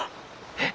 えっ！